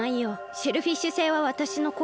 シェルフィッシュ星はわたしのこ